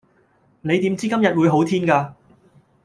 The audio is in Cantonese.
你點知今日會好天㗎